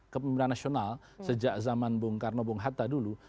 kepemimpinan nasional sejak zaman bung karno bung hatta dulu